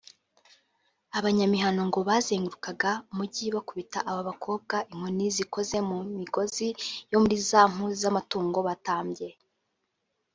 Abanyamihano ngo bazengurukaga umujyi bakubita aba bakobwa inkoni zikoze mu migozi yo muri za mpu z’amatungo batambye